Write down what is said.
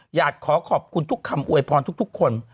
อยากขอขอบคุณทุกคำอวยพรทุกคน